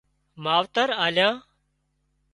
ماوتر آليان